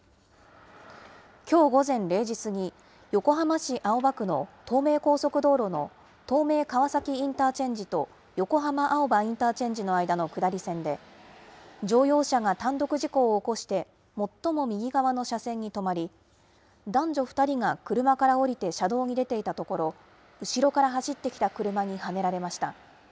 きょう午前０時過ぎ、横浜市青葉区の東名高速道路の東名川崎インターチェンジと横浜青葉インターチェンジの間の下り線で、乗用車が単独事故を起こして、最も右側の車線に止まり、男女２人が車から降りて車道に出ていたところ、後ろから走ってきた車にはねられました。